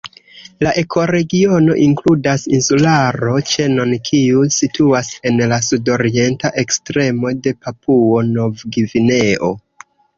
La ekoregiono inkludas insularo-ĉenon kiu situas en la sudorienta ekstremo de Papuo-Novgvineo.